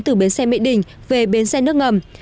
từ bến xe mỹ đình về bến xe nước ngầm